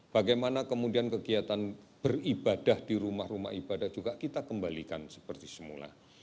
bagaimana kemudian kegiatan beribadah di rumah rumah ibadah juga kita kembalikan seperti semula